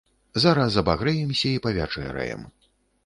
Зараз абагрэемся і павячэраем.